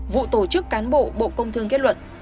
vụ tổ chức cán bộ bộ công thương kết luận